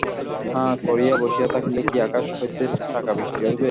হাঁ করিয়া বসিয়া থাকিলে কি আকাশ হইতে টাকা বৃষ্টি হইবে।